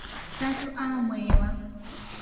Tatu aa mwehewa.